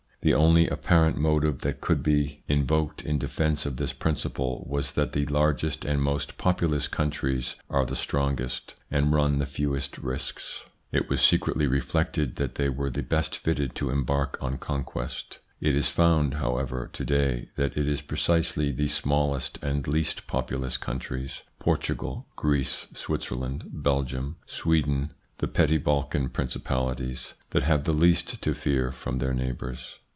The only apparent motive that could be i88 THE PSYCHOLOGY OF PEOPLES : invoked in defence of this principle was that the largest and most populous countries are the strongest, and run the fewest risks. It was secretly reflected that they were the best fitted to embark on conquest. It is found, however, to day, that it is precisely the smallest and least populous countries Portugal, Greece, Switzerland, Belgium, Sweden, the petty Balkan principalities that have the least to fear from their neighbours.